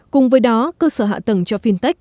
cùng với đó cơ sở hạ tầng cho fintech